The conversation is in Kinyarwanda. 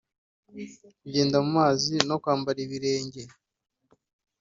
kungenda mu mazi no kwambara ibirenge